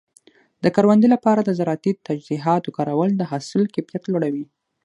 د کروندې لپاره د زراعتي تجهیزاتو کارول د حاصل کیفیت لوړوي.